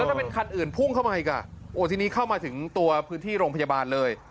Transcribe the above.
ถ้าเป็นคันอื่นพุ่งเข้ามาอีกอ่ะโอ้ทีนี้เข้ามาถึงตัวพื้นที่โรงพยาบาลเลย